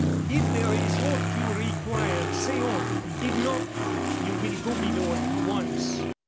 If there is aught you require, say on. If not, you will go below at once."